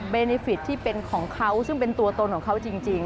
เนฟิตที่เป็นของเขาซึ่งเป็นตัวตนของเขาจริง